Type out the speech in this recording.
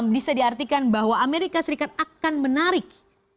bisa diartikan bahwa amerika serikat akan menarik